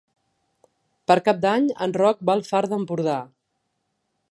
Per Cap d'Any en Roc va al Far d'Empordà.